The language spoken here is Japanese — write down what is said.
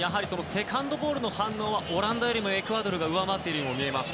セカンドボールの反応はオランダよりもエクアドルが上回っているように見えます。